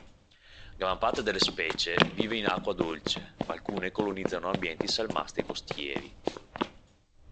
Gran parte delle specie vive in acqua dolce ma alcune colonizzano ambienti salmastri costieri.